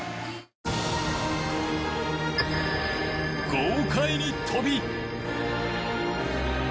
豪快に跳び。